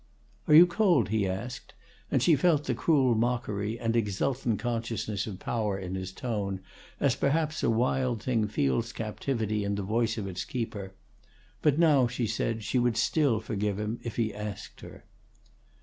"Are you cold?" he asked, and she felt the cruel mockery and exultant consciousness of power in his tone, as perhaps a wild thing feels captivity in the voice of its keeper. But now, she said she would still forgive him if he asked her.